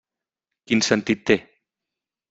Quin sentit té?